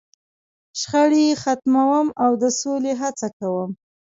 .شخړې یې ختموم، او د سولې هڅه کوم.